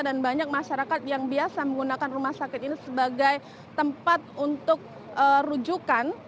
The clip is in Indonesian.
dan banyak masyarakat yang biasa menggunakan rumah sakit ini sebagai tempat untuk rujukan